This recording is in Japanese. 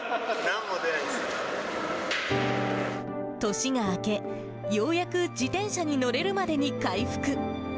年が明け、ようやく自転車に乗れるまでに回復。